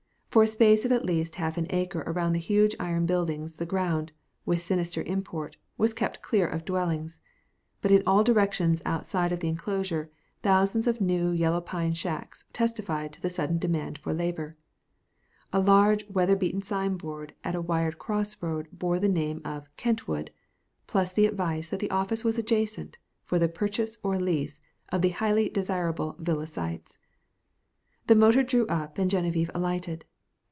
For a space of at least half an acre around the huge iron buildings the ground, with sinister import, was kept clear of dwellings, but in all directions outside of the inclosure thousands of new yellow pine shacks testified to the sudden demand for labor. A large weather beaten signboard at a wired cross road bore the name of "Kentwood," plus the advice that the office was adjacent for the purchase or lease of the highly desirable villa sites. The motor drew up and Genevieve alighted.